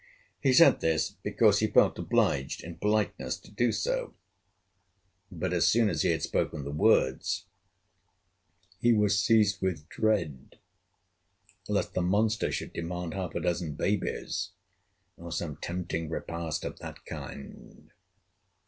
He said this because he felt obliged in politeness to do so, but as soon as he had spoken the words, he was seized with dread lest the monster should demand half a dozen babies, or some tempting repast of that kind.